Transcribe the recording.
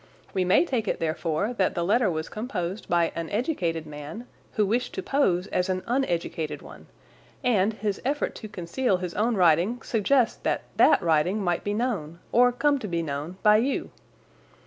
We may take it, therefore, that the letter was composed by an educated man who wished to pose as an uneducated one, and his effort to conceal his own writing suggests that that writing might be known, or come to be known, by you.